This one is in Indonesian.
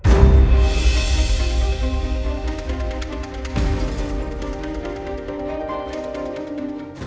aku akan mencoba